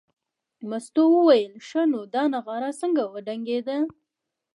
مستو وویل ښه نو دا نغاره څنګه وډنګېده.